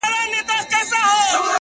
• زه نه خوشحال یم زه نه رحمان یم -